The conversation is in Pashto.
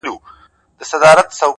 خود نو په دغه يو سـفر كي جادو،